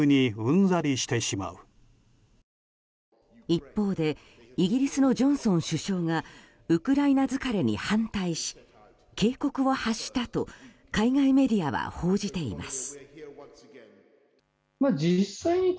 一方でイギリスのジョンソン首相がウクライナ疲れに反対し警告を発したと海外メディアは報じています。